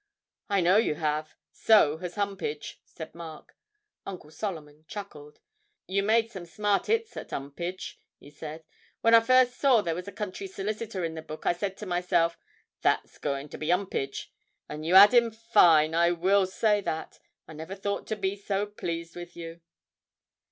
'I know you have so has Humpage,' said Mark. Uncle Solomon chuckled. 'You made some smart 'its at 'Umpage,' he said. 'When I first saw there was a country solicitor in the book, I said to myself, "That's goin' to be 'Umpage," and you 'ad him fine, I will say that. I never thought to be so pleased with yer.'